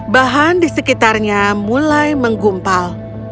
bahan di sekitarnya mulai menggumpal